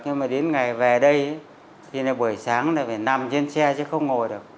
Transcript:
nhưng mà đến ngày về đây thì là buổi sáng là phải nằm trên xe chứ không ngồi được